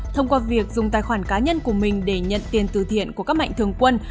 thông qua việc dùng tài khoản cá nhân của mình để nhận tiền từ thiện của các mạnh thường quân